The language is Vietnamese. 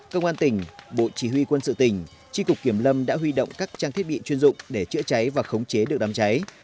công an tỉnh bộ chỉ huy quân sự tỉnh tri cục kiểm lâm đã huy động các trang thiết bị chuyên dụng để chữa cháy và khống chế được đám cháy